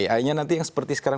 ai nya nanti yang seperti sekarang